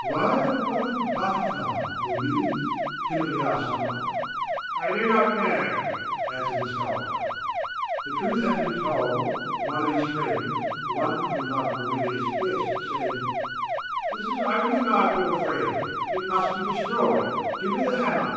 "Why that wonderful butterfly, Aurelius?" timidly asked some one. "I do not know," answered the sculptor. The truth had to be told, and one of his friends, the one who loved Aurelius best, said: "This is ugly, my poor friend. It must be destroyed. Give me the hammer."